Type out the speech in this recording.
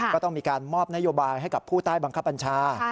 ก็ต้องมีการมอบนโยบายให้กับผู้ใต้บังคับบัญชา